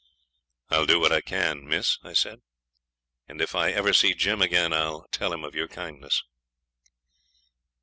'I'll do what I can, miss,' I said; 'and if I ever see Jim again I'll tell him of your kindness.'